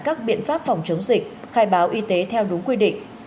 các biện pháp phòng chống dịch khai báo y tế theo đúng quy định